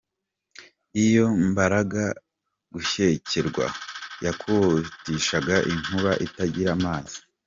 Iyo bamaraga gushyekerwa, yabakubitishaga inkuba itagira amazi.